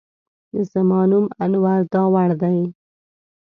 زما نوم انور داوړ دی.